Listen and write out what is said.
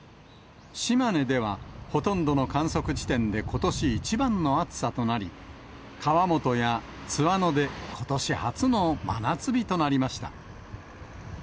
島根では、ほとんどの観測地点でことし一番の暑さとなり、川本や津和野で、ことし初の真夏日となりました。